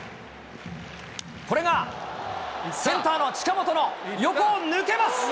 これがセンターの近本の横を抜けます。